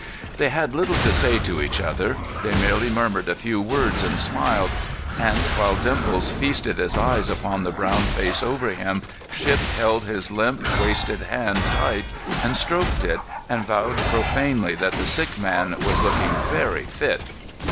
They had little to say to each other; they merely murmured a few words and smiled; and while Dimples feasted his eyes upon the brown face over him, Shipp held his limp, wasted hand tight and stroked it, and vowed profanely that the sick man was looking very fit.